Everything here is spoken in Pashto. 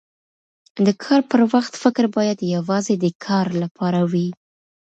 د کار پر وخت فکر باید یواځې د کار لپاره وي.